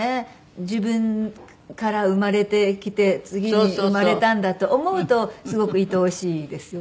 自分から生まれてきて次に生まれたんだと思うとすごく愛おしいですね。